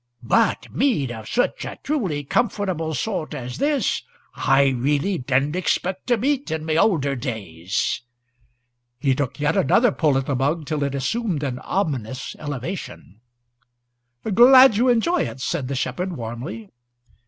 But mead of such a truly comfortable sort as this I really didn't expect to meet in my older days." He took yet another pull at the mug, till it assumed an ominous horizontality. "Glad you enjoy it!" said the shepherd, warmly.